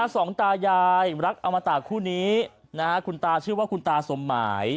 สองตายายรักอมตะคู่นี้นะฮะคุณตาชื่อว่าคุณตาสมหมาย